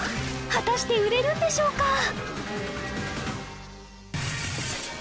果たして売れるんでしょうか？